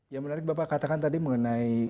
yang menarik bapak katakan tadi mengenai